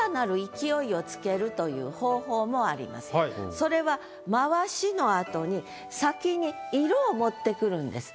それは「回し」のあとに先に「色」を持ってくるんです。